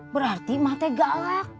berarti emak teh galak